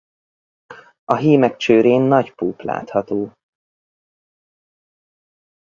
A hímek csőrén nagy púp látható.